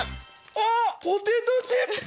あっポテトチップスじゃん！